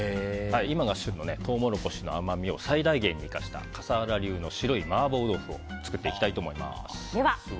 今が旬のトウモロコシの甘みを最大限に生かした笠原流の白い麻婆豆腐を作っていきたいと思います。